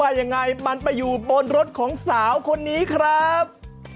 ยังไงมันไปอยู่บนรถของสาวคนนี้ครับ